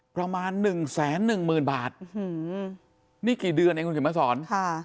ประมาณ๑แสน๑หมื่นบาทนี่กี่เดือนเองคุณผู้ชมภาคสอน